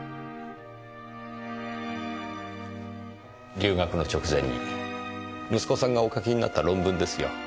留学の直前に息子さんがお書きになった論文ですよ。